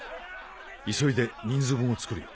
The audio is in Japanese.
急いで人数分を作るよ。